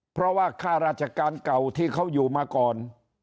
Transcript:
เพราะว่าค่าราชการเก่าที่เขาอยู่มาก่อน